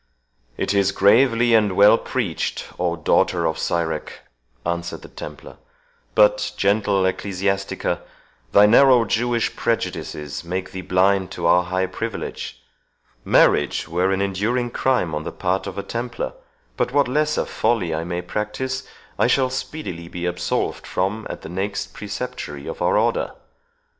"It is gravely and well preached, O daughter of Sirach!" answered the Templar; "but, gentle Ecclesiastics, thy narrow Jewish prejudices make thee blind to our high privilege. Marriage were an enduring crime on the part of a Templar; but what lesser folly I may practise, I shall speedily be absolved from at the next Preceptory of our Order.